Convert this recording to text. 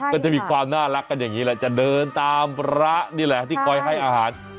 ก็จะมีความน่ารักกันอย่างนี้แหละจะเดินตามพระนี่แหละที่คอยให้อาหาร